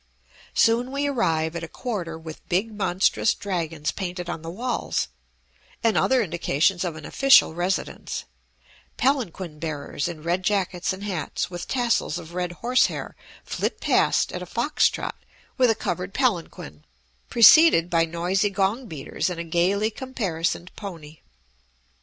Soon we arrive at a quarter with big monstrous dragons painted on the walls, and other indications of an official residence; palanquin bearers in red jackets and hats with tassels of red horse hair flit past at a fox trot with a covered palanquin, preceded by noisy gong beaters and a gayly comparisoned pony.